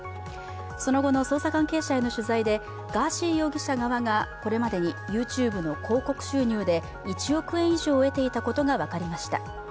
その後の捜査関係者への取材でガーシー容疑者側がこれまでにＹｏｕＴｕｂｅの広告収入で１億円以上を得ていたことが分かりました。